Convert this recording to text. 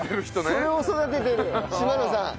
“それ”を育ててる嶋野さん。